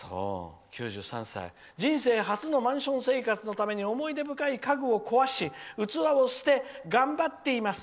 人生初のマンション生活のために思い出深い家具を壊し器を捨て頑張っています。